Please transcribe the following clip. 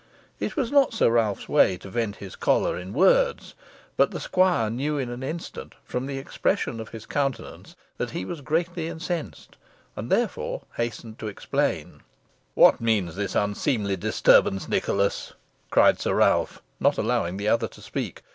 It was not Sir Ralph's way to vent his choler in words, but the squire knew in an instant, from the expression of his countenance, that he was greatly incensed, and therefore hastened to explain. "What means this unseemly disturbance, Nicholas?" cried Sir Ralph, not allowing the other to speak.